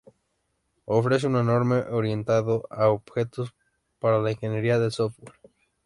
Ofrece un entorno orientado a objetos para la ingeniería del software.